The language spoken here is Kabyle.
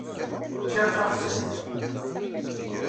Ččiɣ taxsayt.